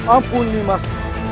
ampun ndi mas